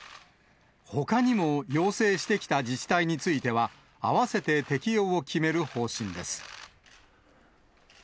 ほかにも要請してきた自治体については、併せて適用を決める方針です。